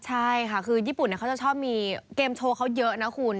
ใช่ค่ะคือญี่ปุ่นเขาจะชอบมีเกมโชว์เขาเยอะนะคุณ